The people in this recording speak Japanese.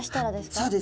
そうです。